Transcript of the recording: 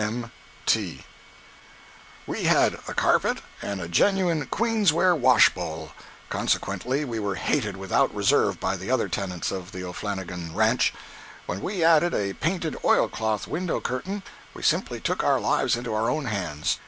—M. T.] We had a carpet and a genuine queen's ware washbowl. Consequently we were hated without reserve by the other tenants of the O'Flannigan "ranch." When we added a painted oilcloth window curtain, we simply took our lives into our own hands.